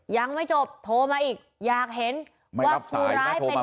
ยังไม่จบโทรมาอีกอยากเห็นว่าผู้ร้ายเป็น